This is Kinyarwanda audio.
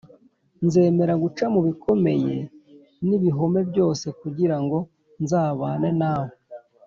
Nzemera guca mu bikomeye n’ibihome byose kugira ngo nzabane nawe